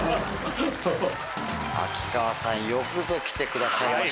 秋川さんよくぞ来てくださいました。